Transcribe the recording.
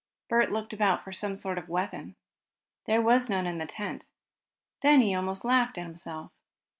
Bert looked about for some sort of weapon. There was none in the tent. Then he almost laughed at himself.